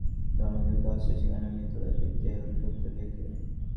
সব মানুষের সামনেই ধর্মক্ষেত্রে ধর্মযুদ্ধ আছে, সেখানে মৃতো বাপি তেন লোকত্রয়ং জিতং।